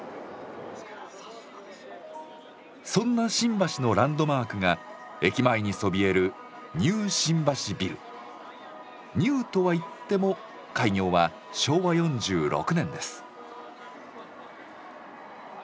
そんな新橋のランドマークが駅前にそびえる「ニュー」とはいっても開業は昭和４６年です。